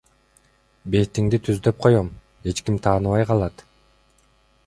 Бетиңди түздөп коём, эч ким тааныбай калат.